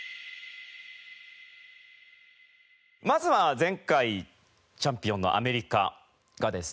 まずは前回チャンピオンのアメリカがですね